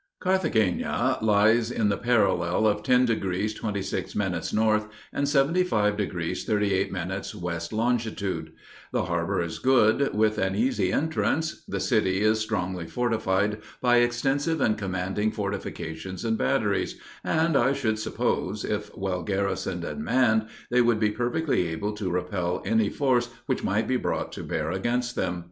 Carthagena lies in the parallel of ten degrees twenty six minutes north, and seventy five degrees thirty eight minutes west longitude; the harbor is good, with an easy entrance; the city is strongly fortified by extensive and commanding fortifications and batteries, and, I should suppose, if well garrisoned and manned, they would be perfectly able to repel any force which might be brought to bear against them.